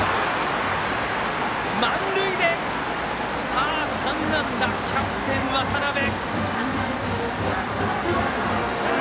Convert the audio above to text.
満塁で３安打キャプテン、渡邊。